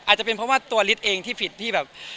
อาจจะเป็นเพราะว่าตัวฤทธิ์เองที่ผิดที่แบบ